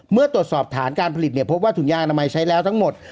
เมื่อตรวจสอบฐานการผลิตพบว่าถุงยางอนามัยใช้แล้วทั้งหมด